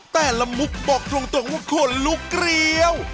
แต่ละมุกบอกตรงว่าคนลุกเกรี้ยว